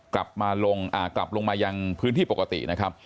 กลับลงมายังพื้นที่ปกตินะครับ